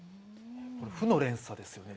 これ負の連鎖ですよね。